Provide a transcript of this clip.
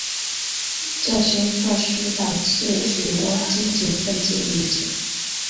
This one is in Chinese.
这些措施导致许多积极份子离职。